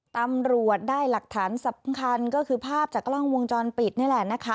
ตำรวจได้หลักฐานสำคัญก็คือภาพจากกล้องวงจรปิดนี่แหละนะคะ